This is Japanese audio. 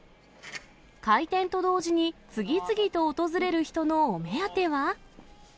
開店と同時に次々と訪れる人のお目当ては。